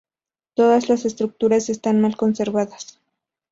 Todas las estructuras están mal conservadas.